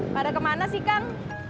pada kemana sih kang